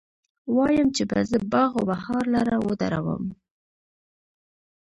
وايم، چې به زه باغ و بهار لره وردرومم